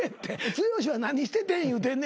剛は何しててん言うてんねん。